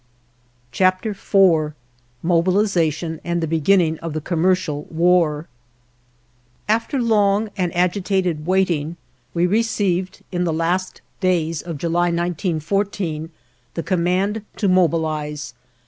IV MOBILIZATION AND THE BEGINNING OF THE COMMERCIAL WAR After long and agitated waiting, we received in the last days of July, 1914, the command to mobilize.